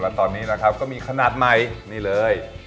และตอนนี้นะครับก็มีขนาดใหม่นี่เลย